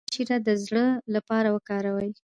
د مڼې شیره د زړه لپاره وکاروئ